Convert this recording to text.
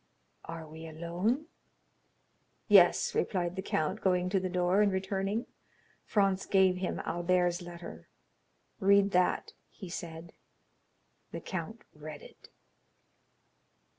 "Are we alone?" "Yes," replied the count, going to the door, and returning. Franz gave him Albert's letter. "Read that," he said. The count read it.